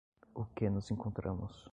O que nos encontramos